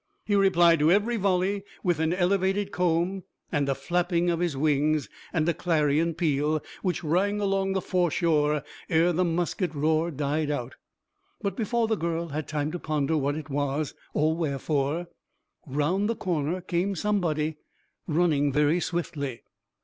He replied to every volley with an elevated comb, and a flapping of his wings, and a clarion peal, which rang along the foreshore ere the musket roar died out. But before the girl had time to ponder what it was, or wherefore, round the corner came somebody, running very swiftly.